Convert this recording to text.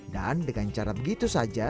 dan dengan cara begitu saja